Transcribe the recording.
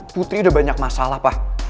putri udah banyak masalah pak